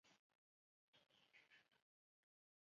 叶子循于顺治四年中式丁亥科进士。